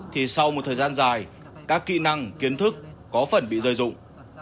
thì sau một thời gian dài các kỹ năng kiến thức có phần bị rơi rụng